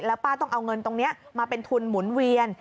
ป้าต้องเอาเงินตรงนี้มาเป็นทุนหมุนเวียน